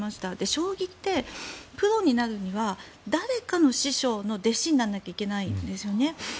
将棋ってプロになるには誰かの師匠の弟子にならなくてはいけないんですよね。